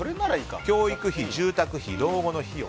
教育費、住宅費、老後の費用。